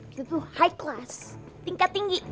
itu tuh high class tingkat tinggi